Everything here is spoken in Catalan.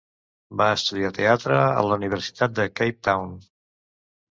Va estudiar teatre a la Universitat de Cape Town.